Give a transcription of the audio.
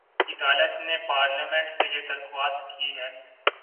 عدالت نے پارلیمنٹ سے یہ درخواست کی ہے